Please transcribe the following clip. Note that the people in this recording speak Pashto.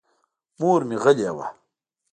مور مې غلې وه.